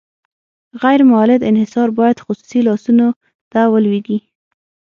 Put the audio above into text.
غیر مولد انحصار باید خصوصي لاسونو ته ولویږي.